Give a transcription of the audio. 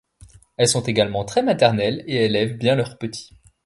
Elles sont également très maternelles et élèvent bien leurs petits.